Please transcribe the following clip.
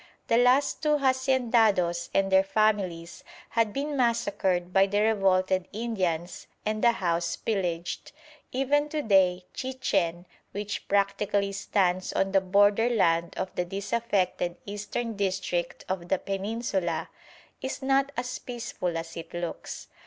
The last two haciendados and their families had been massacred by the revolted Indians and the house pillaged. Even to day Chichen, which practically stands on the borderland of the disaffected eastern district of the Peninsula, is not as peaceful as it looks.